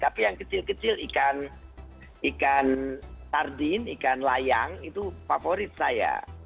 tapi yang kecil kecil ikan tardin ikan layang itu favorit saya